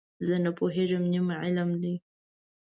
زه نه پوهېږم، نیم علم دی.